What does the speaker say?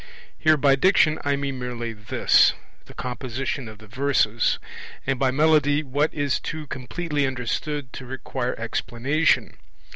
Here by 'Diction' I mean merely this, the composition of the verses; and by 'Melody', what is too completely understood to require explanation.